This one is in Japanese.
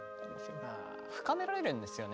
深められるんですよね